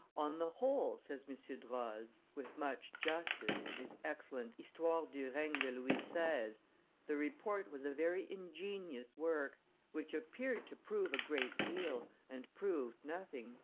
"On the whole," says M. Droz, with much justice, in his excellent Histoire du regne de Louis XVI., "the Report was a very ingenious work, which appeared to prove a great deal and proved nothing."